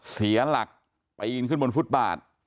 เสียหลักปีนขึ้นบนฟุตบาท